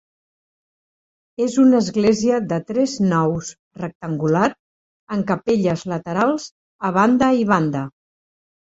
És una església de tres naus rectangular amb capelles laterals a banda i banda.